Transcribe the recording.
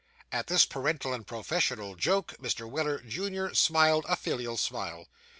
At this parental and professional joke, Mr. Weller, junior, smiled a filial smile.